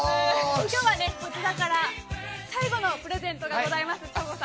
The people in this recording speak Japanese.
今日はこちらから最後のプレゼントがございます。